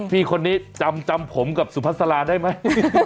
พี่คนนี้จำผมกับสุภาษาลาได้ไหม